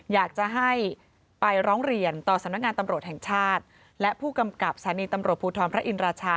อยากจะให้ไปร้องเรียนต่อสำนักงานตำรวจแห่งชาติและผู้กำกับสถานีตำรวจภูทรพระอินราชา